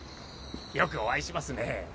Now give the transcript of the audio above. よくお会いしますね。